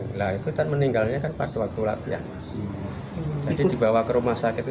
habis latihan mungkin lah itu kan meninggalnya kan waktu waktu latihan jadi dibawa ke rumah sakit itu